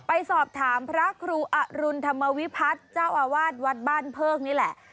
ไปสอบถามพระครูอรุณธรรมวิพัฒน์เจ้าอาวาสวัดบ้านเพิกนี่แหละ